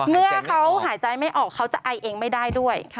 เมื่อเขาหายใจไม่ออกเขาจะไอเองไม่ได้ด้วย